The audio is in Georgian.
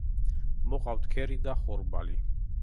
მოჰყავთ ქერი და ხორბალი.